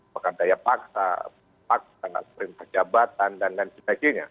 maka daya paksa paksa dengan perintah jabatan dan dsb